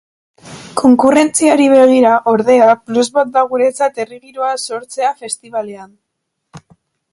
Konkurrentziari begira, ordea, plus bat da guretzat herri giroa sortzea festibalean.